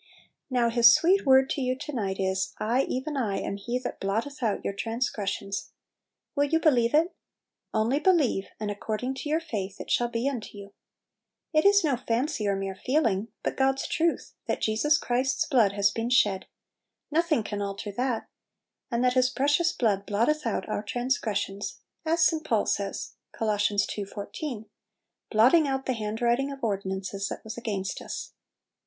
Now His sweet word to you to night is, "I, even I, am He that blotteth out your transgressions." Will you believe it? "Only believe," and "according to your faith it shall be unto you." It is no fancy or mere feeling, but God's truth, that Jesus Christ's blood has been shed, — nothing can alter that; and that His precious blood blotteth out our transgressions; as St. Paul says (CoL ii. 14), "Blotting out the handwrit ing of ordinances that was against us."